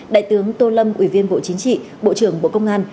đại tướng tô lâm ủy viên bộ chính trị bộ trưởng bộ công an